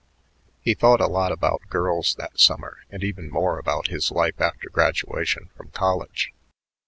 He thought a lot about girls that summer and even more about his life after graduation from college.